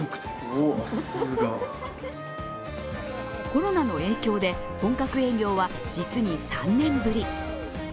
コロナの影響で本格営業は実に３年ぶり。